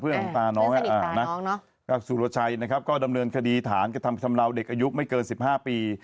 ของตาน้องสุรชัยนะครับก็ดำเนินคดีฐานกระทำชำราวเด็กอายุไม่เกิน๑๕ปี